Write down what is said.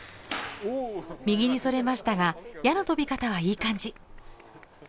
右にそれましたが矢の飛び方はいい感じ。